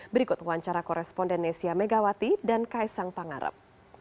berikut wawancara koresponden nesya megawati dan kaesang pangarap